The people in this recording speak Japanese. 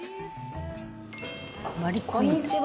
こんにちは。